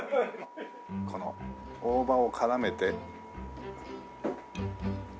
この大葉を絡めて。